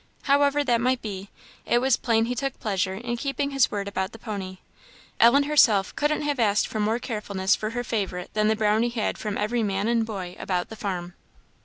However that might be, it was plain he took pleasure in keeping his word about the pony. Ellen herself couldn't have asked more careful kindness for her favourite than the Brownie had from every man and boy about the farm.